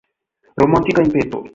Romantika impeto.